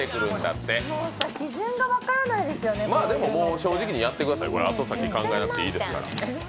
正直にやってください、後先考えなくていいですから。